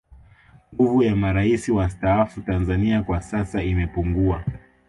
nguvu ya marais wastaafu tanzania kwa sasa imepungua